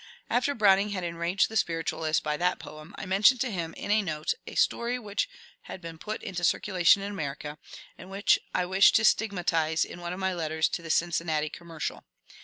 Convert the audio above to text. After Browning had enraged the spiritualists by that poem, I mentioned to him in a note a story which had been put into circulation in America, and which I wished to stigmatize in one of my letters to the ^^ Cincinnati Commercial."